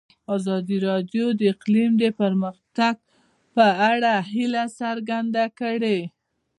ازادي راډیو د اقلیم د پرمختګ په اړه هیله څرګنده کړې.